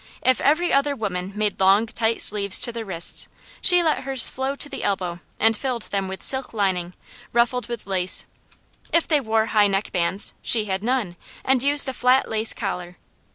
If every other woman made long tight sleeves to their wrists, she let hers flow to the elbow and filled them with silk lining, ruffled with lace. If they wore high neckbands, she had none, and used a flat lace collar.